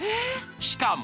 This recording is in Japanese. しかも。